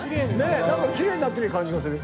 なんかきれいになってる感じがする。